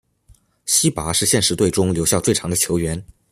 希拔是现时队中留效最长的球员。